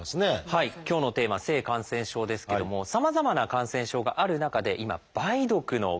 今日のテーマ「性感染症」ですけどもさまざまな感染症がある中で今梅毒の感染者